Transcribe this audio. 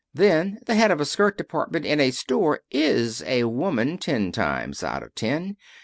Then, the head of a skirt department in a store is a woman, ten times out of ten.